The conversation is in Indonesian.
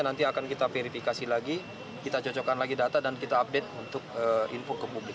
nanti akan kita verifikasi lagi kita cocokkan lagi data dan kita update untuk info ke publik